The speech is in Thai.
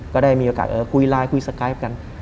ก็ได้มีโอกาสคุยไลน์คุยสกายฟกัน